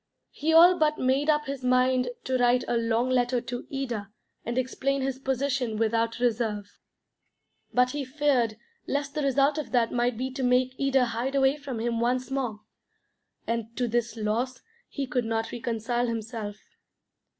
He all but made up his mind to write a long letter to Ida and explain his position without reserve. But he feared lest the result of that might be to make Ida hide away from him once more, and to this loss he could not reconcile himself.